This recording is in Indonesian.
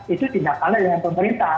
itu tidak kalah dengan pemerintah